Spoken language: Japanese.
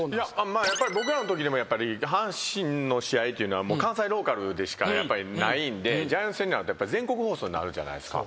やっぱり僕らのときでも阪神の試合というのは関西ローカルでしかないんでジャイアンツ戦になると全国放送になるじゃないですか。